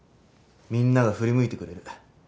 みんなが振り向いてくれる。